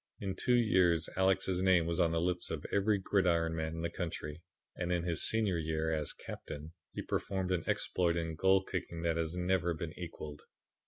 In two years Alex's name was on the lips of every gridiron man in the country, and in his senior year, as captain, he performed an exploit in goal kicking that has never been equalled.